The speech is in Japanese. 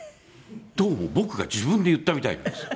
どうも僕が自分で言ったみたいなんですよ。